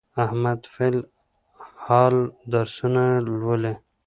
احمد فل الحال درسونه لولي.